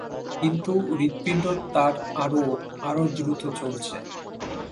কিন্তু হৃৎপিণ্ড তার আরো, আরো দ্রুত চলছে।